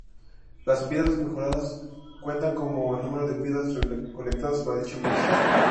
Las piedras mejoradas cuentan como el número de piedras recolectadas para dicha magia.